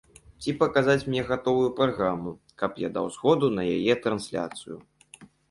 Ці паказаць мне гатовую праграму, каб я даў згоду на яе трансляцыю.